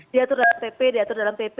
diatur dalam pp diatur dalam pp